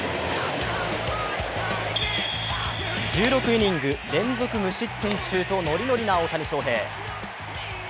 １６イニング連続無失点中とノリノリな大谷翔平。